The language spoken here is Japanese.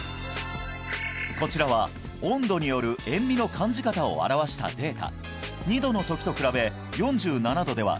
こちらは温度による塩味の感じ方を表したデータ